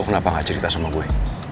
kenapa gak cerita sama gue